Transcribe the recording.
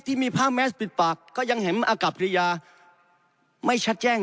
ที่มีผ้าแมสปิดปากก็ยังเห็นอากาศริยาไม่ชัดแจ้ง